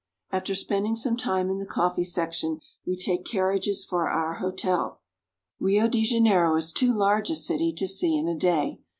After spending some time in the coffee section we take carriages for our hotel. Rio de Janeiro is too large a city to see in a day.